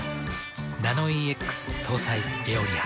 ナノイーＸ搭載「エオリア」。